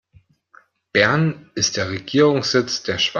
Bern ist der Regierungssitz der Schweiz.